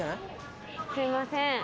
すいません